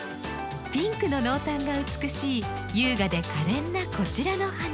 ピンクの濃淡が美しい優雅でかれんなこちらの花。